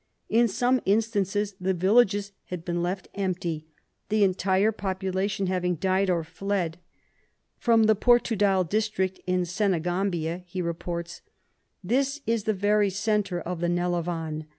In some instances the villages had been left empty, the entire population having died or fled. Prom the Portudal district (in Senegambia) he reports : "This is the very centre of the Nelavane.